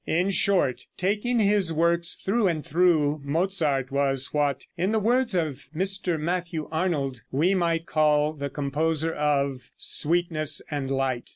In short, taking his works through and through, Mozart was what, in the words of Mr. Matthew Arnold, we might call the composer of "sweetness and light."